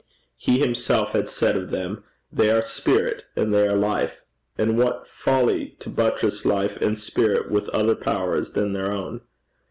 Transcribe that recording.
He himself had said of them, 'They are spirit and they are life;' and what folly to buttress life and spirit with other powers than their own!